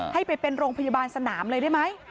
ให้ไปเป็นโรงพยาบาลสนามเลยได้ไหม